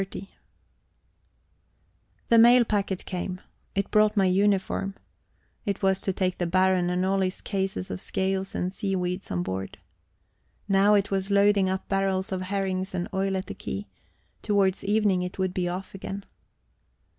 XXX The mail packet came; it brought my uniform; it was to take the Baron and all his cases of scales and seaweeds on board. Now it was loading up barrels of herrings and oil at the quay; towards evening it would be off again.